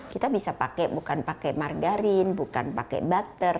kita bisa pakai bukan pakai margarin bukan pakai butter